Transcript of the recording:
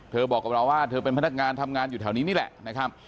บอกกับเราว่าเธอเป็นพนักงานทำงานอยู่แถวนี้นี่แหละนะครับ